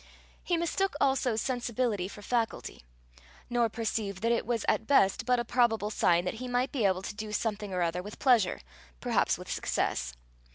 He mistook also sensibility for faculty, nor perceived that it was at best but a probable sign that he might be able to do something or other with pleasure, perhaps with success.